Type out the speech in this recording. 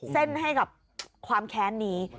เส้นให้กับความแค้นนี้